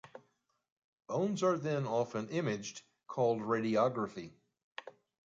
Bones are then often imaged, called radiography.